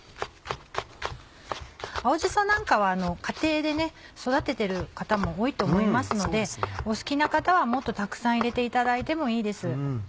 青じそなんかは家庭で育ててる方も多いと思いますのでお好きな方はもっとたくさん入れていただいてもいいです。